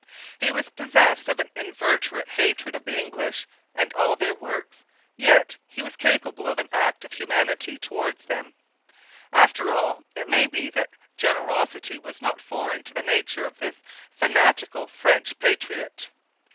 He was possessed of an inveterate hatred of the English and all their works; yet he was capable of an act of humanity towards them. After all, it may be that generosity was not foreign to the nature of this fanatical French patriot.